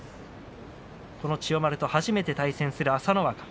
千代丸は初めて対戦する朝乃若。